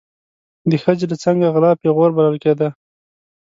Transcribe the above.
د ښځې له څنګه غلا پیغور بلل کېده.